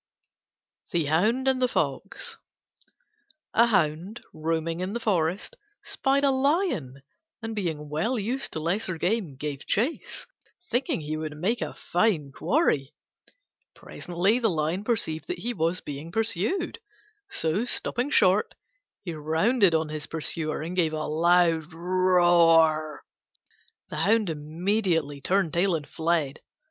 THE HOUND AND THE FOX A Hound, roaming in the forest, spied a lion, and being well used to lesser game, gave chase, thinking he would make a fine quarry. Presently the lion perceived that he was being pursued; so, stopping short, he rounded on his pursuer and gave a loud roar. The Hound immediately turned tail and fled.